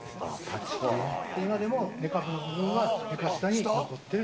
今でも根株の部分は床下に残ってる。